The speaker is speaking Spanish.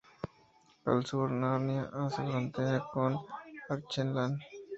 Al Sur, Narnia hace frontera con Archenland.